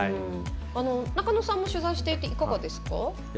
中野さんも取材していていかがですか？